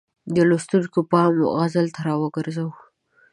د لوستونکو پام غزل ته را وګرځوي.